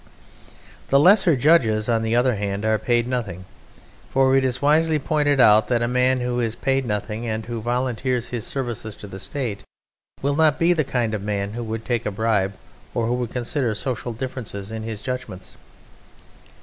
The lesser judges, on the other hand, are paid nothing, for it is wisely pointed out that a man who is paid nothing and who volunteers his services to the State will not be the kind of a man who would take a bribe or who would consider social differences in his judgments.